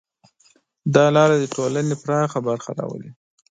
دا لاره د ټولنې پراخه برخه راولي.